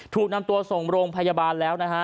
ถูกนำตัวส่งโรงพยาบาลแล้วนะฮะ